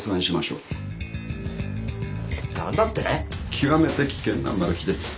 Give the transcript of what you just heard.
極めて危険なマル被です。